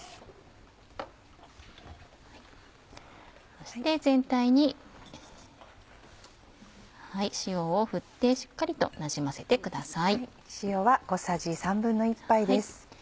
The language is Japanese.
そして全体に塩を振ってしっかりとなじませてください。